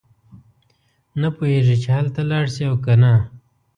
نه پوهېږي چې هلته لاړ شي او کنه.